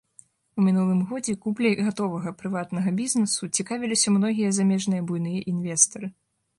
У мінулым годзе купляй гатовага прыватнага бізнесу цікавіліся многія замежныя буйныя інвестары.